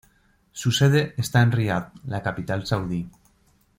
Su sede está en Riad, la capital saudí.